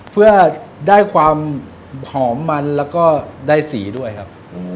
เพื่อได้ความหอมมันแล้วก็ได้สีด้วยครับ